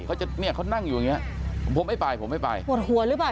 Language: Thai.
เขาจะเนี่ยเขานั่งอยู่อย่างเงี้ยผมไม่ไปผมไม่ไปปวดหัวหรือเปล่า